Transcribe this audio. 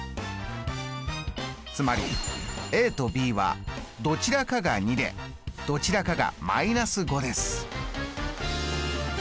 つまりとｂはどちらかが２でどちらかが−５です。